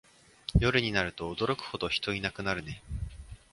夜になると驚くほど人いなくなるね